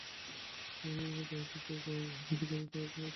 মুসলমান বলেন, তাঁহার শাস্ত্র কোরানে যাহা লিখিত আছে, তাহাই তাঁহার কর্তব্য।